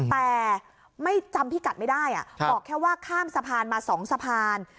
แต่ไม่จำพิกัดไม่ได้บอกแค่ว่าข้ามสะพานมา๒สะพาน